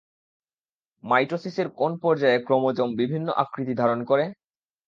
মাইটোসিসের কোন পর্যায়ে ক্রোমোজোম বিভিন্ন আকৃতি ধারণ করে?